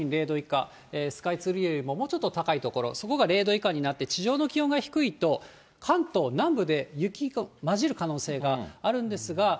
０度以下、スカイツリーよりももうちょっと高い所、そこが０度以下になって、地上の気温が低いと、関東南部で雪が交じる可能性があるんですが。